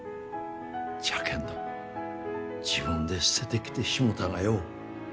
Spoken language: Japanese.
じゃけんど自分で捨ててきてしもうたがよ。